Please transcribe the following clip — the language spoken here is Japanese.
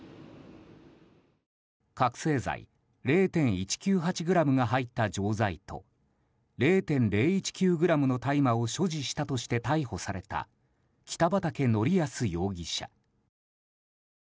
覚醒剤０．１９８ｇが入った錠剤と０．０１９ｇの大麻を所持していたとして逮捕された北畠成文容疑者。